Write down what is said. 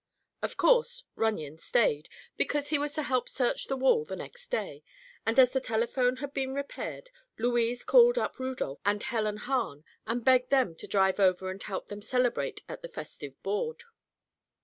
Of course Runyon stayed, because he was to help search the wall the next day, and as the telephone had been repaired Louise called up Rudolph and Helen Hahn and begged them to drive over and help them celebrate at the festive board.